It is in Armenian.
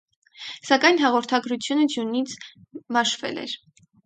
Սակայն հաղորդագրությունը ձյունից մաշվել էր։